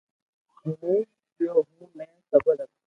ھون ديو ھون ني سبر رک